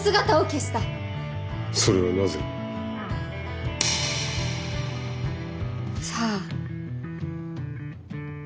それはなぜ？さあ。